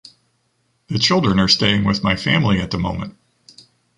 The children are staying with my family at the moment.